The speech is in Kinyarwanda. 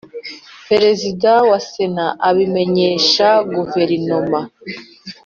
Perezida wa Sena abimenyesha Guverinoma